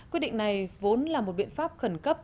quyết định này vốn là một biện pháp khẩn cấp